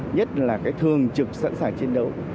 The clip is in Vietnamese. nhất là thường trực sẵn sàng chiến đấu